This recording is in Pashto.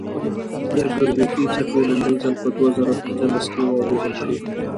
د ګرویتي څپې لومړی ځل په دوه زره پنځلس کې واورېدل شوې.